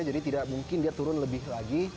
jadi tidak mungkin dia turun lebih lagi